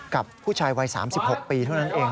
กับผู้ชายวัย๓๖ปีเท่านั้นเอง